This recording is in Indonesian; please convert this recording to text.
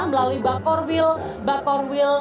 melalui bakor wil